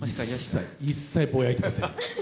一切ぼやいてません。